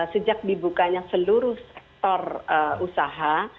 sejak dibukanya seluruh sektor usaha